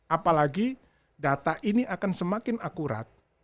apalagi data ini akan semakin akurat